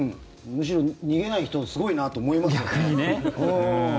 むしろ逃げない人はすごいなと思いますよね。